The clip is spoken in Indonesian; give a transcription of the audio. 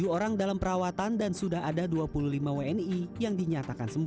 tujuh orang dalam perawatan dan sudah ada dua puluh lima wni yang dinyatakan sembuh